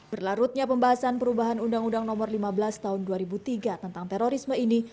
berlarutnya pembahasan perubahan undang undang nomor lima belas tahun dua ribu tiga tentang terorisme ini